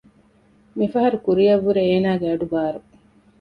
މި ފަހަރު ކުރިއަށްވުރެ އޭނާގެ އަޑު ބާރު